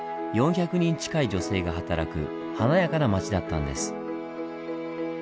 ４００人近い女性が働く華やかな街だったんです。